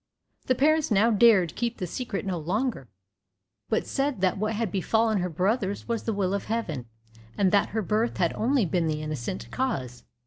The parents now dared keep the secret no longer, but said that what had befallen her brothers was the will of Heaven, and that her birth had only been the innocent cause.